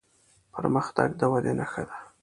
پرمختګ د ودې نښه ده.